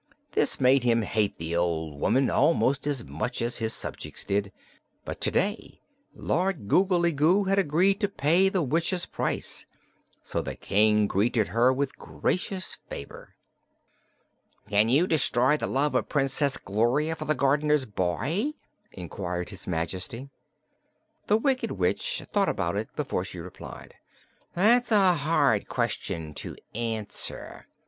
This made him hate the old woman almost as much as his subjects did, but to day Lord Googly Goo had agreed to pay the witch's price, so the King greeted her with gracious favor. "Can you destroy the love of Princess Gloria for the gardener's boy?" inquired his Majesty. The Wicked Witch thought about it before she replied: "That's a hard question to answer.